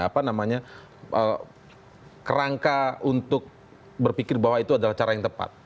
apa namanya kerangka untuk berpikir bahwa itu adalah cara yang tepat